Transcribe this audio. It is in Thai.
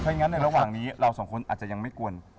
อย่างนั้นในระหว่างนี้เราสองคนอาจจะยังไม่กวน